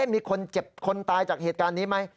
มีคนเจ็บคนตายจากเหตุการณ์นี้ไหม